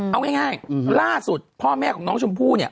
เอาง่ายล่าสุดพ่อแม่ของน้องชมพู่เนี่ย